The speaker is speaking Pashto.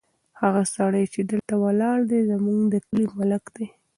هغه سړی چې دلته ولاړ دی، زموږ د کلي ملک دی.